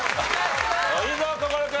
いいぞ心君！